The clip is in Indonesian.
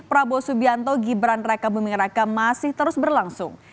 prabowo subianto gibran rekabumi reka masih terus berlangsung